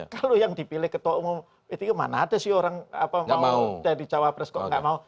kalau yang dipilih ketua umum p tiga mana ada sih orang mau jadi cawapres kok nggak mau